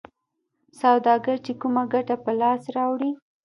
سوداګر چې کومه ګټه په لاس راوړي